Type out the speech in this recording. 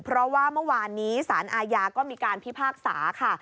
เพราะว่าเมื่อวานนี้สารอาญาก็มีการพิพากษาค่ะ